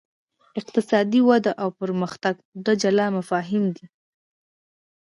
اقتصادي وده او پرمختګ دوه جلا مفاهیم دي.